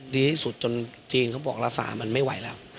ดีที่สุดจนจีนเขาบอกรักษามันไม่ไหวแล้ว